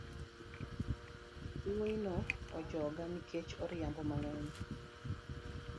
Wuoino ojogaa ni kech oriambo mangeny